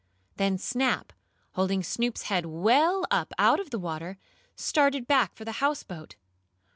Then Snap, holding Snoop's head well up out of the water, started back for the houseboat.